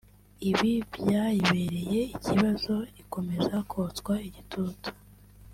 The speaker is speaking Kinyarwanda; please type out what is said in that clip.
Ibi byayibereye ikibazo ikomeza kotswa igitutu